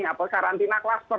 apa karantina cluster